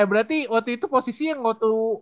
eh berarti waktu itu posisinya waktu